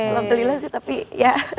alhamdulillah sih tapi ya